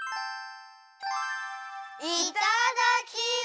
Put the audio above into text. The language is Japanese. いただきます！